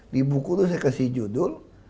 di buku itu saya kasih judul